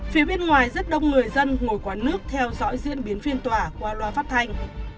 phía bên ngoài rất đông người dân ngồi quán nước theo dõi diễn biến phiên tòa qua loa phát thanh